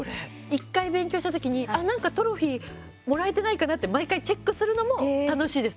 １回勉強した時になんかトロフィーもらえてないかなって毎回チェックするのも楽しいです。